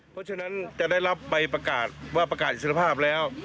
เพราะฉะนั้นจะได้รับใบประกาศว่าประกาศอิสรภาพแล้ว